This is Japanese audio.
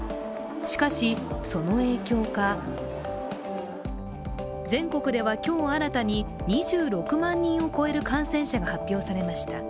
しかし、その影響か、全国では今日新たに２６万人を超える感染者が発表されました。